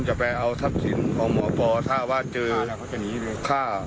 จะเอาทรัพย์สินของหมอปอถ้าว่าเจอฆ่า